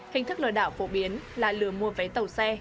hình thức lừa đảo phổ biến là lừa mua vé tàu xe